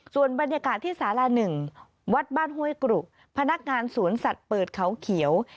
ส่วนบรรยากาศที่สาร๑วัดบ้านห้วยกรุพนักงานสวนสัตว์เปิดเขาเขียว